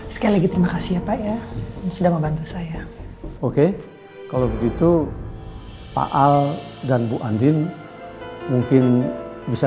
sekali lagi terima kasih ya pak ya sudah membantu saya oke kalau begitu pak al dan bu andin mungkin bisa